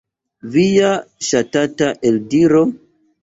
Via ŝatata eldiro?